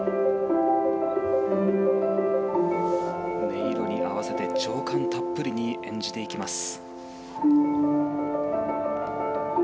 音色に合わせて情感たっぷりに演じていきます。